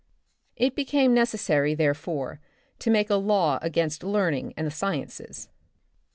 It became necessary, therefore, to make a law against learning and the sciences.